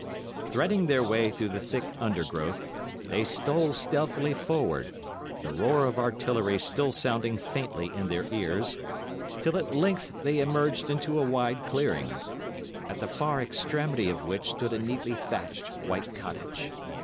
Threading their way through the thick undergrowth, they stole stealthily forward, the roar of artillery still sounding faintly in their ears, till at length they emerged into a wide clearing, at the far extremity of which stood a neatly thatched white cottage.